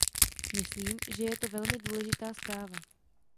Myslím, že je to velmi důležitá zpráva.